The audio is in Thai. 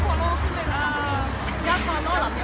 ก็สีตาดแก่ลองหน้าเลย